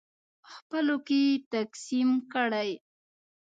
خپلو کې یې تقسیم کړئ.